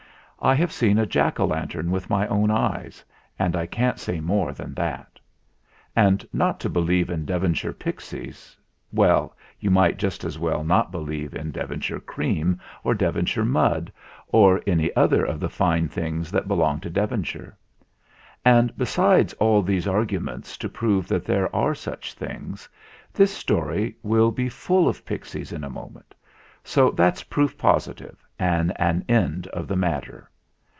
I have seen a Jack o' lantern with my own eyes, and I can't say more than that. And not to believe in Devonshire pixies well, you might just as well MERRIPIT FARM 61 not believe in Devonshire cream or Devonshire mud, or any other of the fine things that belong to Devonshire. And, besides all these argu ments to prove that there are such things, this story will be full of pixies in a moment; so that's proof positive and an end of the matter.